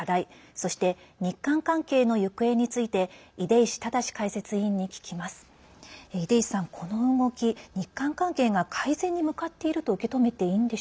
そして、日韓関係の行方について出石直解説委員に聞きます。